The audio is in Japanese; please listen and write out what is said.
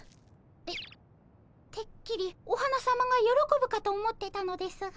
えってっきりお花さまがよろこぶかと思ってたのですが。